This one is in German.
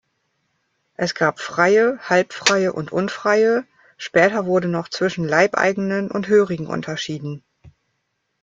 Es gab Freie, Halbfreie und Unfreie, später wurde noch zwischen Leibeigenen und Hörigen unterschieden.